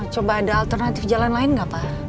coba ada alternatif jalan lain ga pa